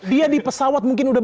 dia di pesawat mungkin udah